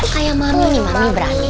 kayak mami nih mami berani